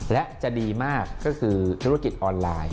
และจะดีมากก็คือธุรกิจออนไลน์